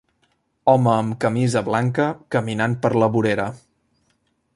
Home amb camisa blanca caminant per la vorera